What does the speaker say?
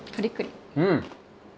うん！